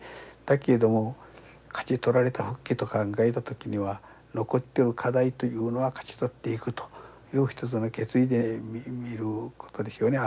だけど勝ち取られた復帰と考えた時には残ってる課題というのは勝ち取っていくという一つの決意で見ることですよね。